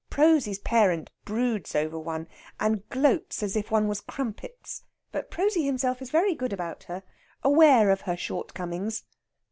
Prosy's parent broods over one, and gloats as if one was crumpets; but Prosy himself is very good about her aware of her shortcomings."